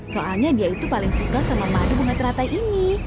soalnya dia itu paling suka sama madu bunga teratai ini